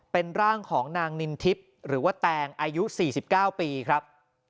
เป็นร่างของนางนินทิพย์หรือว่าแตงอายุ๔๙ปีครับ